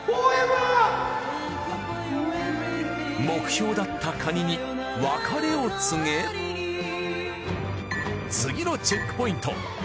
目標だったカニに別れを告げ次のチェックポイント